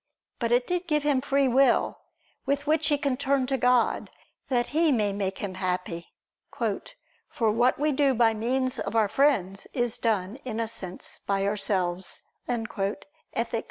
But it did give him free will, with which he can turn to God, that He may make him happy. "For what we do by means of our friends, is done, in a sense, by ourselves" (Ethic.